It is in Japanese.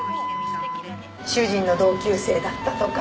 主人の同級生だったとか。